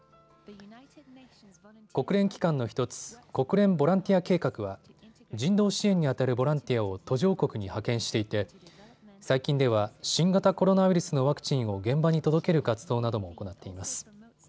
国連機関の１つ、国連ボランティア計画は人道支援にあたるボランティアを途上国に派遣していて、最近では新型コロナウイルスのワクチンを現場に届ける活動なども行っています。